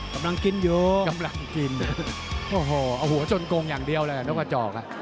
กำลังกินอยู่กำลังกินโอ้โหเอาหัวจนโกงอย่างเดียวเลยนกกระจอกอ่ะ